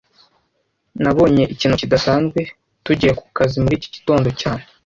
Nabonye ikintu kidasanzwe tugiye ku kazi muri iki gitondo cyane